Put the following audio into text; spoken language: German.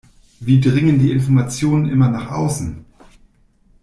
Wie dringen die Informationen immer nach außen?